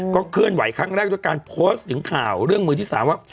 เคลื่อนไหวครั้งแรกด้วยการโพสต์ถึงข่าวเรื่องมือที่๓ว่า